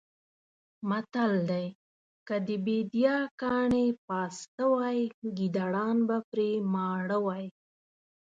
متل دی: که د بېدیا کاڼي پاسته وی ګېدړان به پرې ماړه وی.